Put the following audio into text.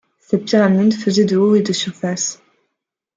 Cette pyramide faisait de haut et de surface.